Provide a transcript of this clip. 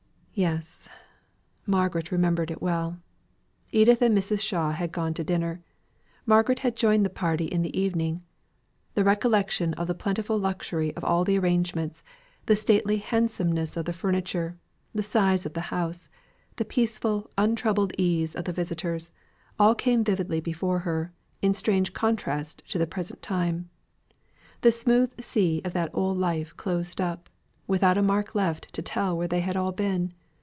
Yes! Margaret remembered it well. Edith and Mrs. Shaw had gone to dinner. Margaret had joined the party in the evening. The recollection of the plentiful luxury of all arrangements, the stately handsomeness of the furniture, the size of the house, the peaceful, untroubled ease of the visitors all came vividly before her, in strange contrast to the present time. The smooth sea of that old life closed up, without a mark left to tell where they had all been.